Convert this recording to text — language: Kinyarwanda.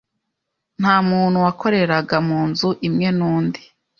nta muntu wakoreraga mu nzu imwe n’undi